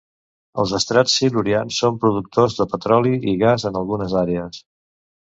Els estrats silurians són productors de petroli i gas en algunes àrees.